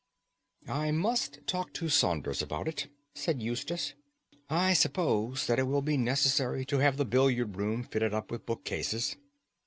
"I must talk to Saunders about it," said Eustace. "I suppose that it will be necessary to have the billiard room fitted up with book cases."